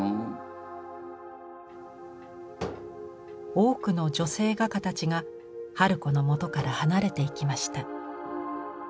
多くの女性画家たちが春子のもとから離れていきました。